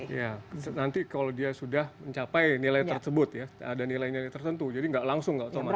iya nanti kalau dia sudah mencapai nilai tersebut ya ada nilai nilai tertentu jadi nggak langsung nggak otomatis